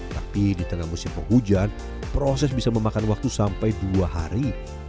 tapi di tengah musim penghujan proses bisa memakan waktu sampai dua hari